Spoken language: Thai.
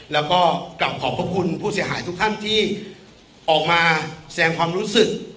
แล้วก็กลับขอบพระคุณผู้เสียหายทุกท่านที่ออกมาแสงความรู้สึก